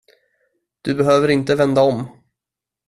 Du behöver inte vända om.